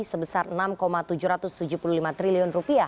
sebesar rp enam tujuh ratus tujuh puluh lima triliun